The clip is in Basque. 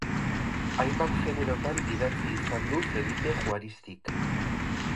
Hainbat generotan idatzi izan du Felipe Juaristik.